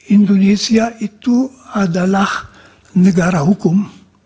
indonesia itu adalah negara hukum